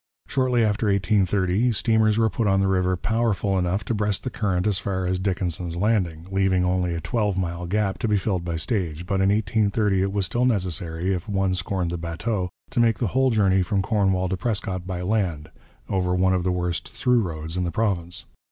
Shortly after 1830 steamers were put on the river powerful enough to breast the current as far as Dickenson's Landing, leaving only a twelve mile gap to be filled by stage, but in 1830 it was still necessary, if one scorned the bateau, to make the whole journey from Cornwall to Prescott by land, over one of the worst through roads in the province.